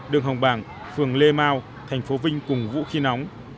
đường hồng bàng phường lê mau tp vinh cùng vũ khí nóng